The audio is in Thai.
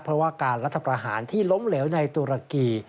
เพราะว่าการรัฐประหารที่ล้มเหลวในตุรกี